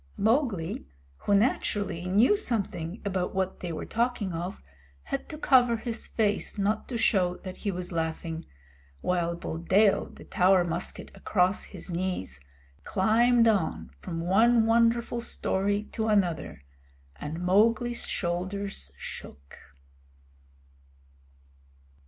Mowgli, who naturally knew something about what they were talking of, had to cover his face not to show that he was laughing, while Buldeo, the Tower musket across his knees, climbed on from one wonderful story to another, and Mowgli's shoulders shook.